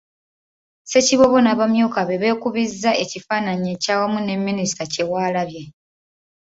Ssekiboobo n’abamyuka be beekubizza ekifaananyi ekyawamu ne Minisita Kyewalabye.